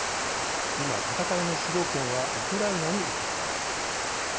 今、戦いの主導権はウクライナに移っています。